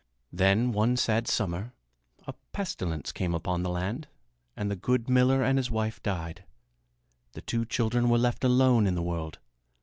Then one sad summer a pestilence came upon the land and the good miller and his wife died. The two children were left alone in the world.